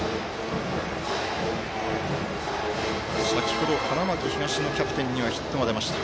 先ほど、花巻東のキャプテンにはヒットが出ました。